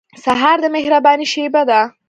سهار د مهربانۍ شېبه ده.